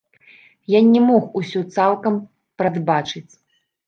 Я не мог усё цалкам прадбачыць.